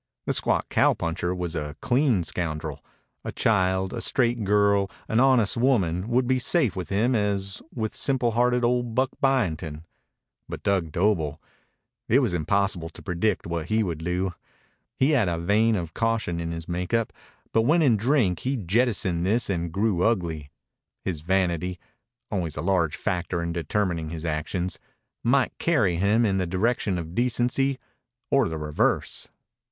The squat cowpuncher was a clean scoundrel. A child, a straight girl, an honest woman, would be as safe with him as with simple hearted old Buck Byington. But Dug Doble it was impossible to predict what he would do. He had a vein of caution in his make up, but when in drink he jettisoned this and grew ugly. His vanity always a large factor in determining his actions might carry him in the direction of decency or the reverse.